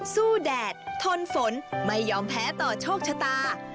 แดดทนฝนไม่ยอมแพ้ต่อโชคชะตา